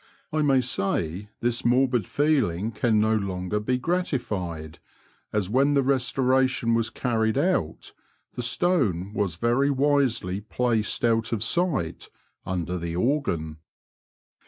I may say this morbid feehng can no longer be gratified, as when the restoration was carried out the stone was very wisely placed out of sight, under the organ.